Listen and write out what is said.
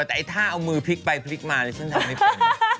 แต่ถ้าเอามือพลิกไปพลิกมาดิฉันทำไม่เป็น